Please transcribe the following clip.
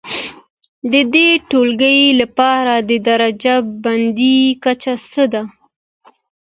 د دې ټولګي لپاره د درجه بندي کچه څه ده؟